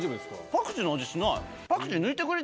パクチーの味しない。